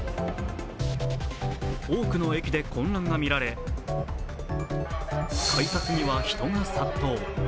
多くの駅で混乱が見られ、改札には人が殺到。